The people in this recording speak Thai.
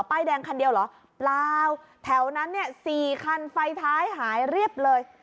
ป้ายแดงคันเดียวเหรอเปล่าแถวนั้นเนี่ยสี่คันไฟท้ายหายเรียบเลย